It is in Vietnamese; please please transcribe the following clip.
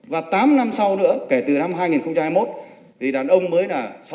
và tám năm sau nữa kể từ năm hai nghìn hai mươi một thì đàn ông mới là sáu mươi hai tuổi